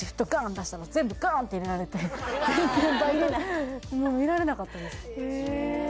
出したら全部ガン！って入れられて全然見られなかったですへえ